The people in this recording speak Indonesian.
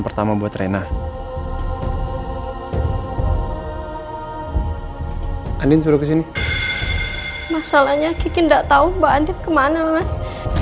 pertama buat reina andin suruh kesini masalahnya kiki ndak tahu mbak andin kemana mas